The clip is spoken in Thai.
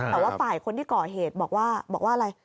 แต่ว่าฝ่ายคนที่ก่อเหตุบอกว่าบอกว่าอะไร